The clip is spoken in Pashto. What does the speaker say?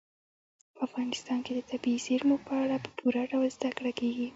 په افغانستان کې د طبیعي زیرمو په اړه په پوره ډول زده کړه کېږي.